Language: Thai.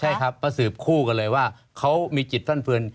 ใช่ครับก็สืบคู่กันเลยว่าเขามีจิตฟั่นเฟือน